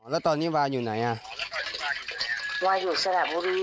วันนี้ยังไม่ชัวร์